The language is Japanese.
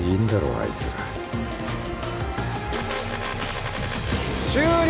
あいつら終了